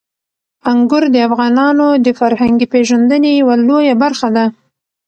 انګور د افغانانو د فرهنګي پیژندنې یوه لویه برخه ده.